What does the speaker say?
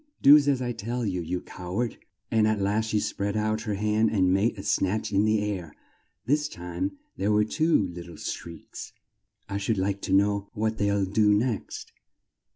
"Do as I tell you, you cow ard!" and at last she spread out her hand and made a snatch in the air. This time there were two lit tle shrieks. "I should like to know what they'll do next!